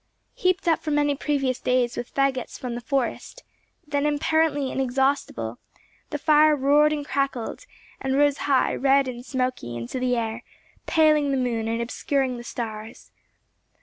Heaped up for many previous days with faggots from the forest, then apparently inexhaustible, the fire roared and crackled, and rose high, red and smoky, into the air, paling the moon, and obscuring the stars.